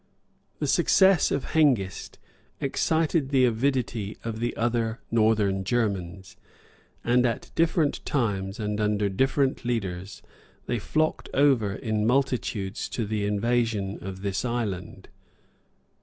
The success of Hengist excited the avidity of the other northern Germans; and at different times, and under different leaders, they flocked over in multitudes to the invasion of mis island.